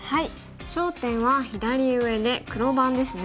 焦点は左上で黒番ですね。